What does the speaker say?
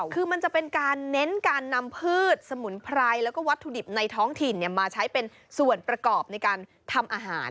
คือมันจะเป็นการเน้นการนำพืชสมุนไพรแล้วก็วัตถุดิบในท้องถิ่นมาใช้เป็นส่วนประกอบในการทำอาหาร